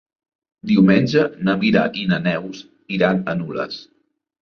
Diumenge na Mira i na Neus iran a Nules.